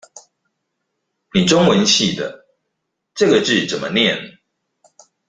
你中文系的，這個字怎麼念？